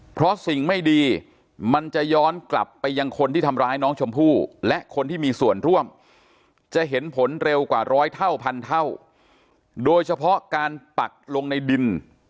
เพราะสิ่งไม่ดีมันจะย้อนกลับไปยังคนที่ทำร้ายน้องชมพู่และคนที่มีส่วนร่วมจะเห็นผลเร็วกว่าร้อยเท่าพันเท่าโดยเฉพาะการปักลงในดิน